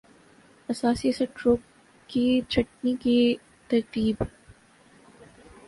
اساسی-سٹروک کی چھٹنی کی ترتیب